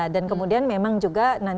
dan kemudian memang juga nanti cara pembayaran